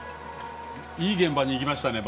いい現場に行きましたね